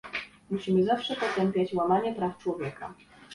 musimy zawsze potępiać łamanie praw człowieka